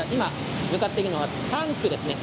今向かっているのは、タンクです。